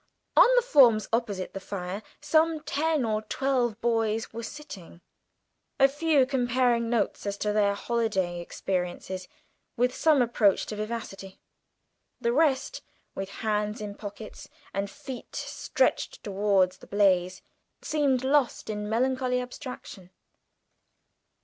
On the forms opposite the fire some ten or twelve boys were sitting, a few comparing notes as to their holiday experiences with some approach to vivacity. The rest, with hands in pockets and feet stretched towards the blaze, seemed lost in melancholy abstraction.